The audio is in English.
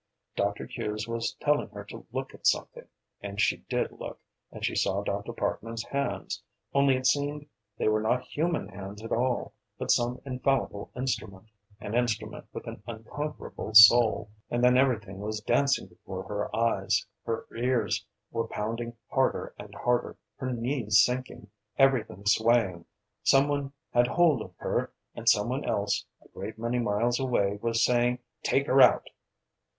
Dr. Hughes was telling her to look at something, and she did look, and she saw Dr. Parkman's hands, only it seemed they were not human hands at all, but some infallible instrument, an instrument with an unconquerable soul, and then everything was dancing before her eyes, her ears were pounding harder and harder, her knees sinking, everything swaying, some one had hold of her, and some one else, a great many miles away was saying "Take her out!"